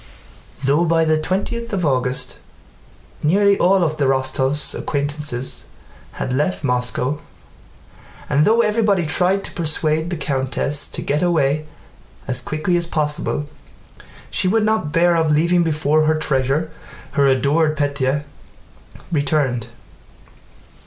Though by the twentieth of August nearly all the Rostóvs' acquaintances had left Moscow, and though everybody tried to persuade the countess to get away as quickly as possible, she would not hear of leaving before her treasure, her adored Pétya, returned.